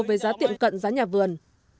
về giá tiệm cận giá nhà vườn